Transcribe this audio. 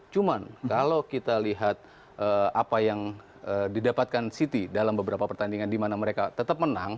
cuman kalau kita lihat apa yang didapatkan city dalam beberapa pertandingan di mana mereka tetap menang